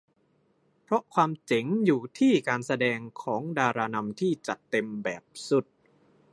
เพราะความเจ๋งอยู่ที่การแสดงของดารานำที่จัดเต็มแบบสุด